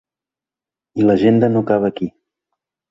I l’agenda no acaba aquí.